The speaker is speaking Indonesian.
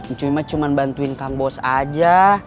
ncuy mah cuma bantuin kang bos aja